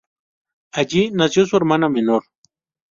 Allí nació su hermana menor.